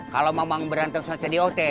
kalau memang berantem saja di ot